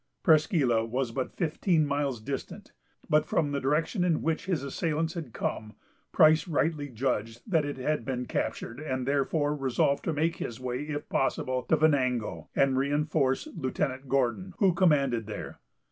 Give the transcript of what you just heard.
Presqu' Isle was but fifteen miles distant; but, from the direction in which his assailants had come, Price rightly judged that it had been captured, and therefore resolved to make his way, if possible, to Venango, and reinforce Lieutenant Gordon, who commanded there.